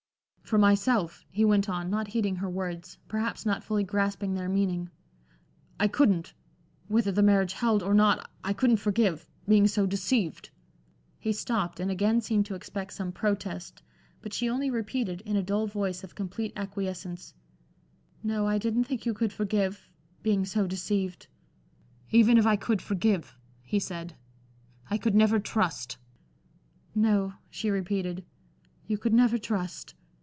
"For myself," he went on, not heeding her words, perhaps not fully grasping their meaning, "I couldn't whether the marriage held or not I couldn't forgive being so deceived." He stopped and again seemed to expect some protest, but she only repeated, in a dull voice of complete acquiescence: "No, I didn't think you could forgive being so deceived" "Even if I could forgive," he said, "I could never trust" "No," she repeated, "you could never trust."